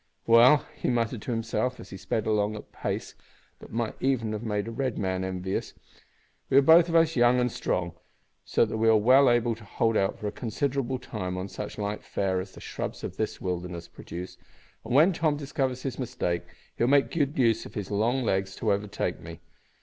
"Well," he muttered to himself, as he sped along at a pace that might have made even a red man envious, "we are both of us young and strong, so that we are well able to hold out for a considerable time on such light fare as the shrubs of the wilderness produce, and when Tom discovers his mistake he'll make good use of his long legs to overtake me.